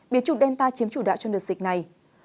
biến trục delta chiếm chủ đạo trong đợt dịch này